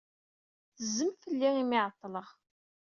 Tezzem fell-i imi ay ɛeḍḍleɣ.